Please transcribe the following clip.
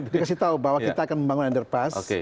dikasih tahu bahwa kita akan membangun underpass